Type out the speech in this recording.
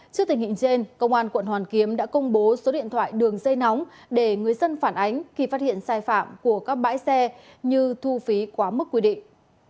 trước tình hình trên công an quận hoàn kiếm đã công bố số điện thoại đường dây nóng để người dân phản ánh khi phát hiện sai phạm của các bãi xe như thu phí quá mức quy định